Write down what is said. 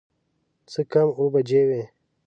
څه کم اووه بجې وې.